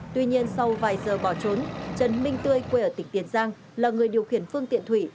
tuy nhiên sau vài giờ bỏ trốn trần minh tươi quê ở tỉnh tiền giang là người điều khiển phương tiện thủy